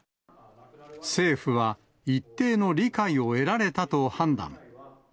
政府は一定の理解を得られたと判断。